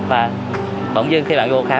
và bỗng dưng khi bạn vô khai